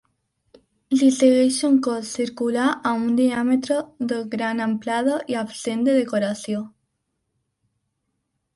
Li segueix un cos circular amb un diàmetre de gran amplada i absent de decoració.